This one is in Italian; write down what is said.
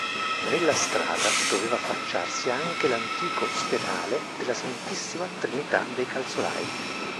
Nella strada doveva affacciarsi anche l'antico spedale della Santissima Trinità dei Calzolai.